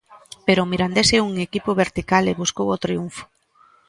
Pero o Mirandés é un equipo vertical e buscou o triunfo.